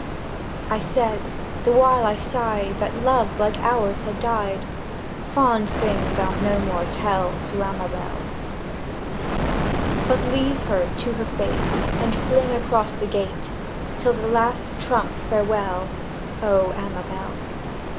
I said (the while I sighed That love like ours had died), "Fond things I'll no more tell To Amabel, "But leave her to her fate, And fling across the gate, 'Till the Last Trump, farewell, O Amabel!